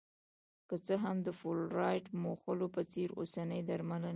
که څه هم د فلورایډ موښلو په څېر اوسنۍ درملنه